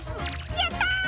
やった！